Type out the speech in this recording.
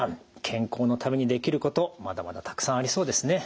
健康のためにできることまだまだたくさんありそうですね。